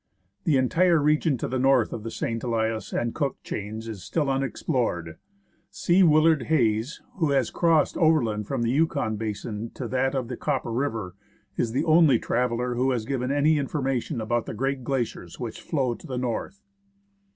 The entire region to the north of the St. Elias and Cook chains is still unexplored ; C. Willard Hayes, who has crossed overland from the Yukon basin to that of the Copper River, is the only traveller who has given any information about the great glaciers which flow to the north.